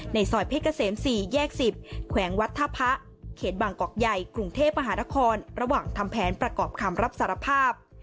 ซอยเพชรเกษม๔แยก๑๐แขวงวัดท่าพระเขตบางกอกใหญ่กรุงเทพมหานครระหว่างทำแผนประกอบคำรับสารภาพ